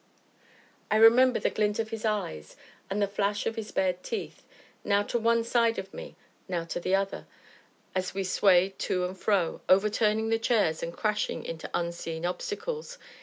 I remember the glint of his eyes and the flash of his bared teeth, now to one side of me, now to the other, as we swayed to and fro, overturning the chairs, and crashing into unseen obstacles.